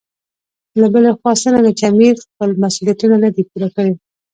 له بلې خوا څرنګه چې امیر خپل مسولیتونه نه دي پوره کړي.